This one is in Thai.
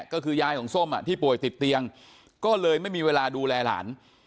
ก็คือยายของส้มที่ป่วยติดเตียงก็เลยไม่มีเวลาดูแลหลาน